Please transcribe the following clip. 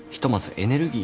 エネルギー？